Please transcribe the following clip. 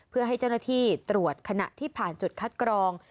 เพื่อให้เจ้าหน้าที่ตรวจขณะที่ผ่านจุดคัดกรอง